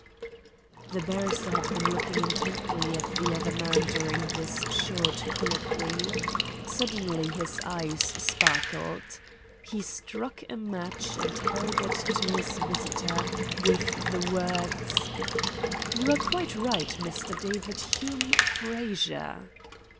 The barrister had been looking intently at the other man during this short colloquy. Suddenly his eyes sparkled. He struck a match and held it to his visitor, with the words: "You are quite right, Mr. David Hume Frazer."